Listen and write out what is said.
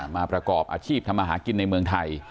ประกอบอาชีพทำอาหารกินในเมืองไทย